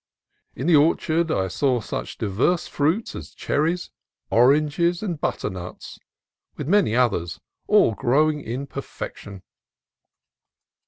In the orchard I saw such diverse fruits as cherries, oranges, and butternuts, with many others, all growing in perfection.